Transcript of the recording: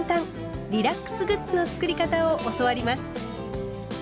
リラックスグッズの作り方を教わります。